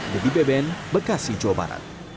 dedy beben bekasi jawa barat